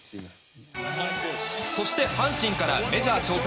そして、阪神からメジャー挑戦